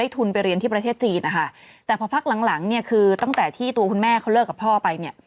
ทุนไปเรียนที่ประเทศจีนนะคะแต่พอพักหลังหลังเนี่ยคือตั้งแต่ที่ตัวคุณแม่เขาเลิกกับพ่อไปเนี่ย